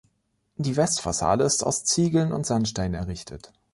Die Westfassade ist aus Ziegeln und Sandstein errichtet.